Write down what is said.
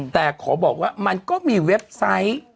แต่ขอบอกว่ามันก็มีเว็บไซต์